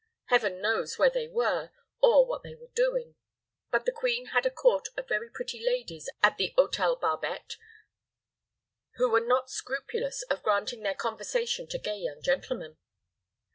Heaven knows where they were, or what they were doing; but the queen had a court of very pretty ladies at the Hôtel Barbette, who were not scrupulous of granting their conversation to gay young gentlemen.